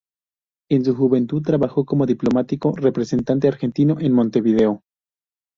En su juventud trabajó como diplomático representante argentino en Montevideo.